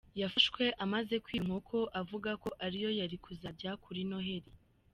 Yafashwe amaze kwiba inkoko avuga ko ari yo yari kuzarya kuri Noheli.